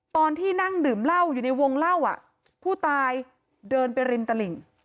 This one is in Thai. ตอนที่นั่งดื่มเหล้าอยู่ในวงเล่าผู้ตายเดินไปริมตลิ่ง